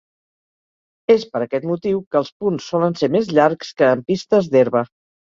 És per aquest motiu que els punts solen ser més llargs que en pistes d'herba.